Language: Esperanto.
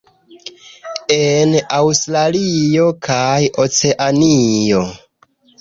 En Aŭstralio kaj Oceanio.